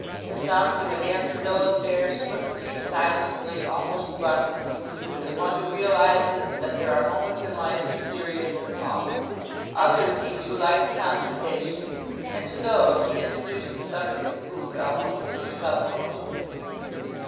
To some he would hand the bill of fare swiftly, silently, almost brusquely, as one who realizes that there are moments in life too serious for talk. Others, he knew, liked conversation; and to those he introduced the subject of food almost as a sub motive.